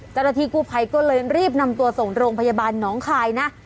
เจ้าหน้าที่กู้ภัยก็เลยรีบนำตัวส่งโรงพยาบาลหนองคายนะ